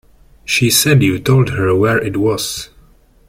She said you told her where it was.